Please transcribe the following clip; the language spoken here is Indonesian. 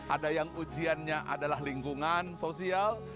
ada yang ujiannya adalah lingkungan sosial